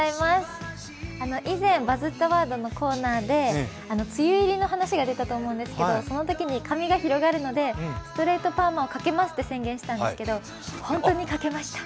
以前、「バズったワード」のコーナーで梅雨入りの話が出たと思うんですけど、そのときに髪が広がるのでストレートパーマをかけますと宣言したんですけどほんとにかけました。